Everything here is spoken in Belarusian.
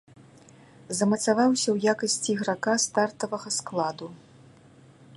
Замацаваўся ў якасці іграка стартавага складу.